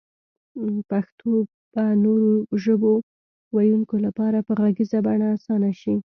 پښتو به نورو ژبو ويونکو لپاره په غږيزه بڼه اسانه شي